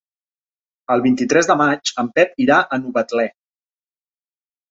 El vint-i-tres de maig en Pep irà a Novetlè.